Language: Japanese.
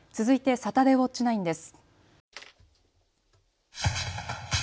サタデーウオッチ９です。